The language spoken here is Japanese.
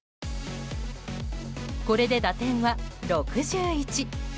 これで打点は６１。